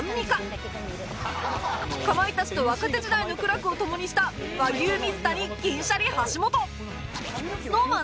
かまいたちと若手時代の苦楽を共にした和牛水田に銀シャリ橋本 ＳｎｏｗＭａｎ